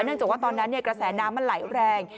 เนื่องจากตอนนั้นกระแสน้ำมันไหลแรง